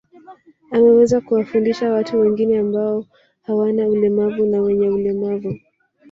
Ameweza kuwafundisha watu wengi ambao hawana ulemavu na wenye ulemavu